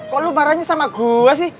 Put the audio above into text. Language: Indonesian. kok lu marahnya sama gue sih